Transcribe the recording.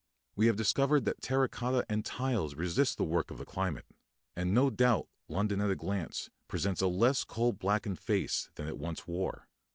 We have discovered that terra cotta and tiles resist the work of the climate, and no doubt London at a glance presents a less coal blackened face than it once wore.